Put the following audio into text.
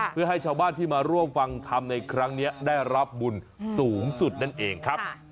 เพื่อให้ชาวบ้านที่มาร่วมฟังธรรมในครั้งนี้ได้รับบุญสูงสุดนั่นเองครับ